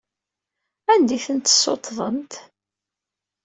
Anda ay tent-tessuṭṭḍemt?